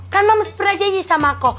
kan mams pernah janji sama aku